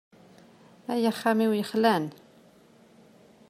Ay axxam-iw yexlan!